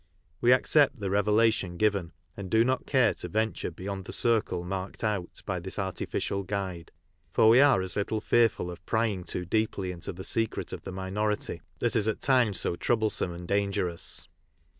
We accept the revelation given, and do not pare to venture beyond the circle marked out by this artificial guide, for we are as little fearful of prying too deeply into the secret of the minority that is at times so troublesome and dangerous.